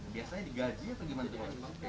biasanya digaji atau gimana